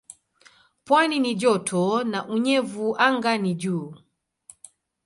Pwani ni joto na unyevu anga ni juu.